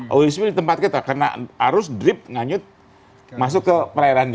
owisme di tempat kita karena arus drip nganyut masuk ke perairan dia